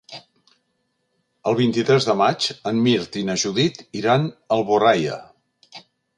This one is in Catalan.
El vint-i-tres de maig en Mirt i na Judit iran a Alboraia.